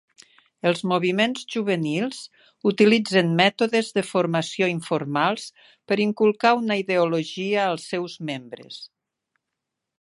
Els moviments juvenils utilitzen mètodes de formació informals per inculcar una ideologia als seus membres.